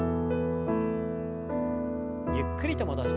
ゆっくりと戻して。